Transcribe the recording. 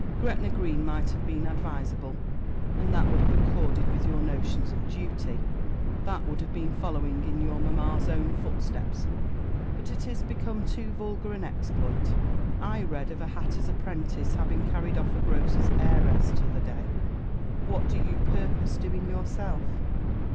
Gretna Green might have been advisable, and that would have accorded with your notions of duty; that would have been following your mamma's own footsteps; but it is become too vulgar an exploit. I read of a hatter's apprentice having carried off a grocer's heiress t'other day. What do you purpose doing yourself?"